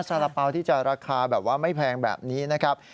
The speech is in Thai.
สาระเป๋าที่จะราคาแบบว่าไม่แพงแบบนี้นะครับ